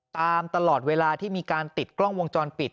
ตลอดเวลาที่มีการติดกล้องวงจรปิด